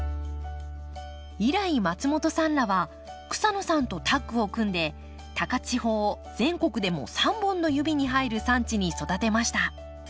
以来松本さんらは草野さんとタッグを組んで高千穂を全国でも３本の指に入る産地に育てました。